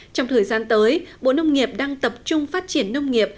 trong thời gian tới bộ nông nghiệp đang tập trung phát triển nông nghiệp